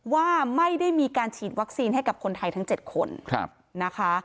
ว่าไม่ได้มีการฉีดวัคซีนให้กับคนไทยทั้ง๗คนนะคะ